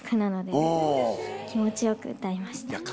気持ちよく歌えました。